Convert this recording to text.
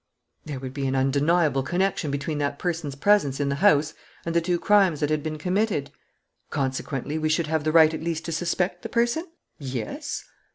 "There would be an undeniable connection between that person's presence in the house and the two crimes that had been committed." "Consequently, we should have the right at least to suspect the person?" "Yes."